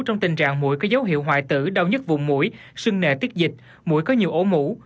trong tình trạng mũi có dấu hiệu hoại tử đau nhất vùng mũi sưng nề tiết dịch mũi có nhiều ổ mũ